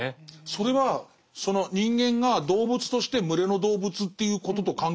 それはその人間が動物として群れの動物っていうことと関係あるのかしら。